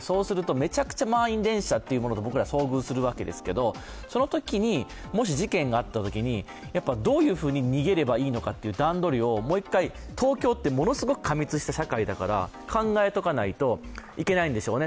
めちゃくちゃ満員電車に遭遇するわけですけど、そのときにもし事件があったときに、どういうふうに逃げればいいのかという段取りをもう一回、東京ってものすごく過密した社会だから考えとかないといけないんでしょうね。